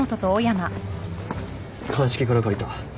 鑑識から借りた。